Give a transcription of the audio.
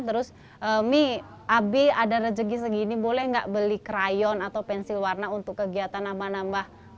terus mi abi ada rezeki segini boleh nggak beli crayon atau pensil warna untuk kegiatan nambah nambah